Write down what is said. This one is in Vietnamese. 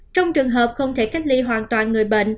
trong trường hợp không thể cách ly hoàn toàn người bệnh